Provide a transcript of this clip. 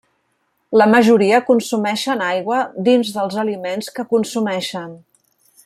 La majoria consumeixen aigua dins dels aliments que consumeixen.